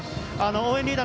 応援リーダー